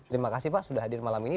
terima kasih pak sudah hadir malam ini